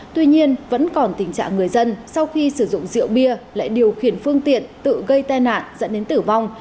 tuy nhiên vẫn còn tình trạng người dân sau khi sử dụng rượu bia lại điều khiển phương tiện tự gây tai nạn dẫn đến tử vong